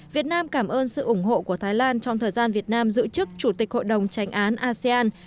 việt nam cảm ơn sự ủng hộ của thái lan trong thời gian việt nam giữ chức chủ tịch hội đồng tranh án asean